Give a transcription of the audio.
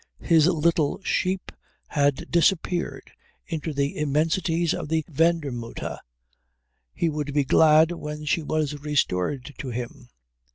His little sheep had disappeared into the immensities of the werdende Mutter. He would be glad when she was restored to him.